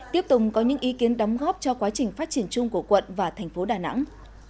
tiếp tục có những ý kiến đóng góp cho quá trình phát triển chung của quận và thành phố đà nẵng